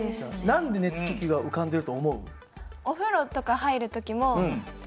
何で熱気球が浮かんでると思う？